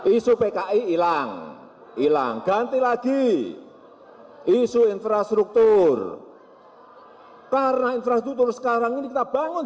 isu pki hilang hilang ganti lagi isu infrastruktur karena infrastruktur sekarang ini kita bangun